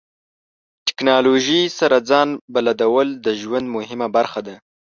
ټکنالوژي سره ځان بلدول د ژوند مهمه برخه ده.